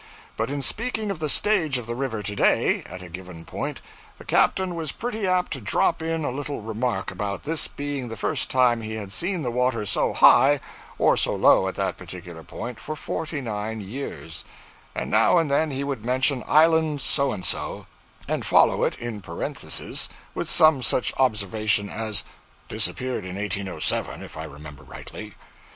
But in speaking of the stage of the river to day, at a given point, the captain was pretty apt to drop in a little remark about this being the first time he had seen the water so high or so low at that particular point for forty nine years; and now and then he would mention Island So and so, and follow it, in parentheses, with some such observation as 'disappeared in 1807, if I remember rightly.'